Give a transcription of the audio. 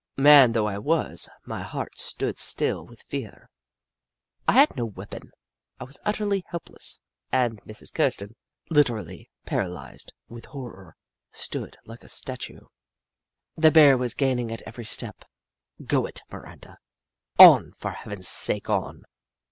Man though I was, my heart stood still with fear. I had no weapon — I was utterly help less — and Mrs. Kirsten, literally paralysed with horror, stood like a statue. The Bear was gaining at every step. Go it, Miranda ! On, for Heaven's sake on